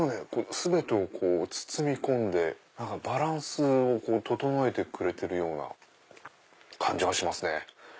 全てを包み込んでバランスをこう整えてくれてる感じがしますね。